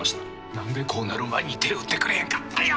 何でこうなる前に手打ってくれんかったんや。